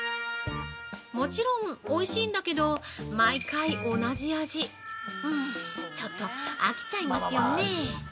もちろん、おいしいんだけど毎回、同じ味ちょっと飽きちゃいますよね？